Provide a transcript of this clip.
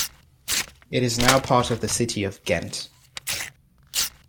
It is now part of the city of Ghent.